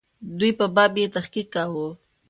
دوی په باب یې تحقیق کاوه.